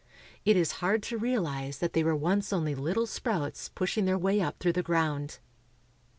It is hard to realize that they were once only little sprouts pushing their way up through the ground.